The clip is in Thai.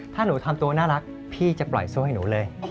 ถ้าหนูทำตัวน่ารักพี่จะปล่อยสู้ให้หนูเลย